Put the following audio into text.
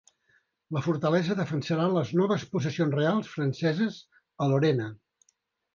La fortalesa defensarà les noves possessions reals franceses a Lorena.